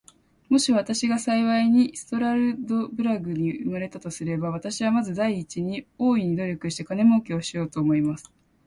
もし私が幸いにストラルドブラグに生れたとすれば、私はまず第一に、大いに努力して金もうけをしようと思います。